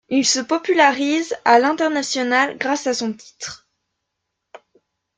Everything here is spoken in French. Il se popularise à l'international grâce à son titre '.